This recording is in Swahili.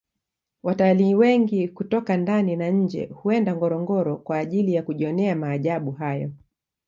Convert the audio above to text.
watalii wengi kutoka ndani na nje huenda ngorongoro kwa ajili ya kujionea maajabu hayo